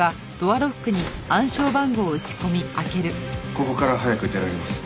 ここから早く出られます。